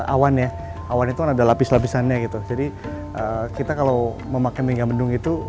awan ya awan itu ada lapis lapisannya gitu jadi kita kalau memakai megamendung itu